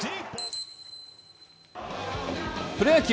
プロ野球。